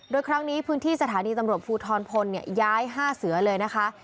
โดยครั้งนี้พื้นที่สถานีตำรวจภูทรพลย้าย๕เสือเลยนะคะ